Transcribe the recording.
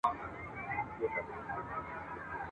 ستا غیبت مي تر هیڅ غوږه نه دی وړی !.